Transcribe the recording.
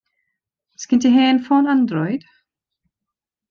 Sgen ti hen ffôn Android?